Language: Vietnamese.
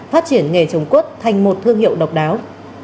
phát triển nghề trồng quất thành một thương hiệu độc đáo